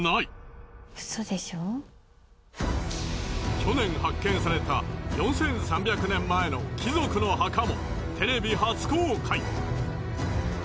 去年発見された４３００年前の貴族の墓もテレビ初公開。